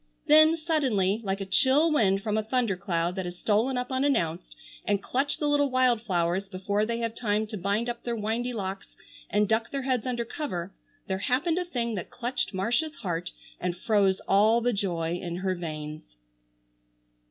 Then, suddenly, like a chill wind from a thunder cloud that has stolen up unannounced and clutched the little wild flowers before they have time to bind up their windy locks and duck their heads under cover, there happened a thing that clutched Marcia's heart and froze all the joy in her veins.